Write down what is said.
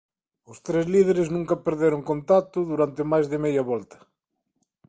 Os tres líderes nunca perderon contacto durante máis de media volta.